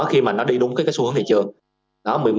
khi mà nó đi đúng xu hướng thị trường